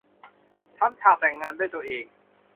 ทำฉากแต่งงานด้วยตัวเอง